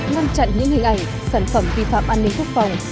ngăn chặn những hình ảnh sản phẩm vi phạm an ninh quốc phòng